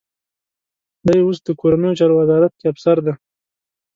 دی اوس د کورنیو چارو وزارت کې افسر دی.